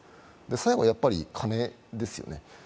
最後、やっぱりカネですよね。